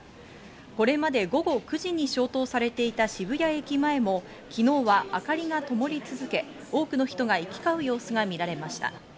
これまで午後９時に消灯されていた渋谷駅前も昨日は明かりがともり続け、多くの人が行き交う様子が見られました。